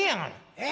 「えっ？